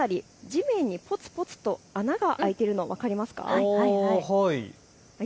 地面にぽつぽつと穴が開いているのが分かりますか。